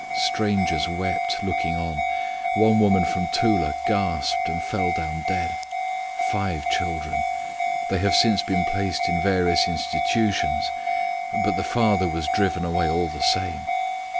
Strangers wept, looking on. One woman from Toula gasped and fell down dead. Five children. They have since been placed in various institutions; but the father was driven away all the same....